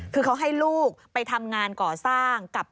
คือเขาให้ลูกไปทำงานก่อสร้างกับ